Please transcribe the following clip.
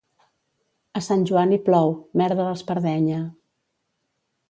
A Sant Joan hi plou, merda a l'espardenya.